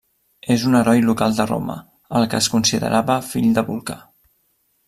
És un heroi local de Roma, al que es considerava fill de Vulcà.